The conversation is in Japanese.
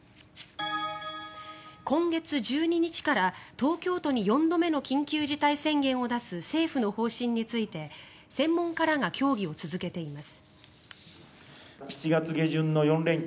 今月１２日から東京都に４度目の緊急事態宣言を出す政府の方針について専門家らが協議を続けています。